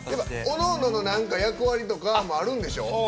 おのおのの役割とかもあるんでしょ？